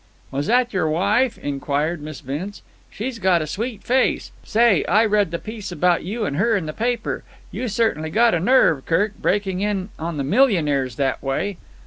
"Was that your wife?" inquired Miss Vince. "She's got a sweet face. Say, I read the piece about you and her in the paper. You certainly got a nerve, Kirk, breaking in on the millionaires that way."